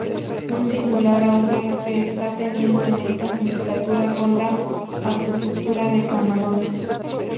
Un singular auge se está teniendo en esta sindicatura con la acuicultura de camarón.